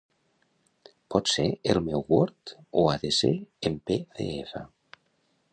Pot ser el meu word o ha de ser en pe de efa?